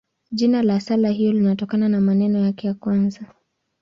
Jina la sala hiyo linatokana na maneno yake ya kwanza.